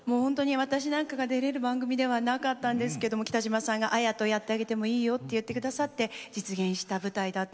私なんかが出れる番組ではなかったんですけども北島さんが「亜矢とやってあげてもいいよ」って言って下さって実現した舞台だったんです。